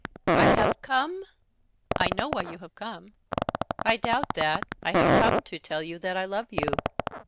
"I have come " "I know why you have come." "I doubt that. I have come to tell you that I love you."